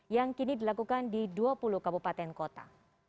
yang kini dilakukan di dua puluh kabupaten kota